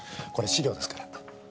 これ資料ですから。